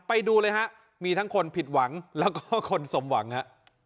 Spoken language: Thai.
ไปดูเลยฮะมีทั้งคนผิดหวังแล้วก็คนสมหวังฮะ